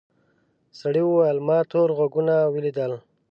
سړي وویل ما تور غوږونه ولیدل.